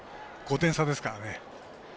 ５点差ですからね。